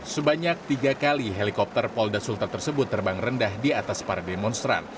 sebanyak tiga kali helikopter polda sultan tersebut terbang rendah di atas para demonstran